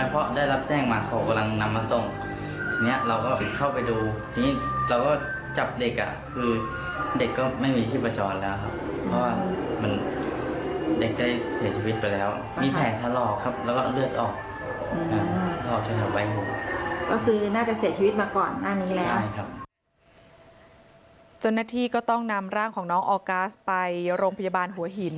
เจ้าหน้าที่ก็ต้องนำร่างของน้องออกัสไปโรงพยาบาลหัวหิน